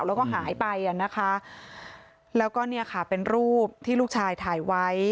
แล้วก็หายไปอ่ะนะคะแล้วก็เนี่ยค่ะเป็นรูปที่ลูกชายถ่ายไว้